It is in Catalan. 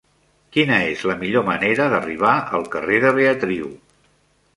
Quina és la millor manera d'arribar al carrer de Beatriu?